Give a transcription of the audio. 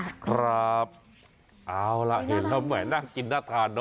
เอาล่ะเห็นแล้วแหม่น่ากินน่าทานเนอ